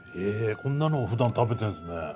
えこんなのふだん食べてんすね。